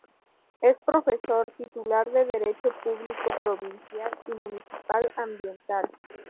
Es profesor titular de Derecho Público Provincial y Municipal Ambiental.